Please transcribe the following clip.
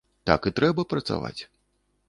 Так і трэба працаваць.